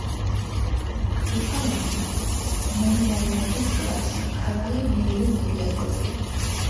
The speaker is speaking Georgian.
დოფამინი მონოამინების კლასში მთავარი ნეირომედიატორია.